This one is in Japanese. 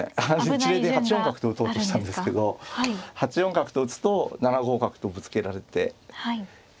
一例で８四角と打とうとしたんですけど８四角と打つと７五角とぶつけられて。